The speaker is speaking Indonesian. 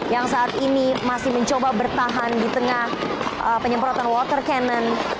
yang saat ini masih mencoba bertahan di tengah penyemprotan water cannon